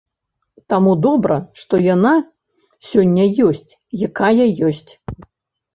Таму добра, што яна сёння ёсць якая ёсць.